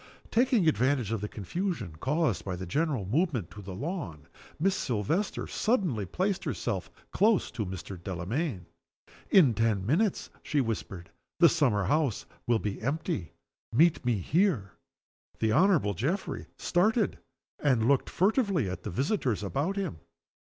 Taking advantage of the confusion caused by the general movement to the lawn, Miss Silvester suddenly placed herself close to Mr. Delamayn. "In ten minutes," she whispered, "the summer house will be empty. Meet me here." The Honorable Geoffrey started, and looked furtively at the visitors about him.